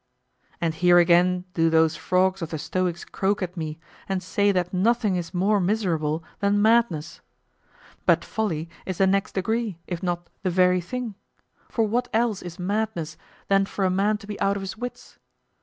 And here again do those frogs of the Stoics croak at me and say that nothing is more miserable than madness. But folly is the next degree, if not the very thing. For what else is madness than for a man to be out of his wits?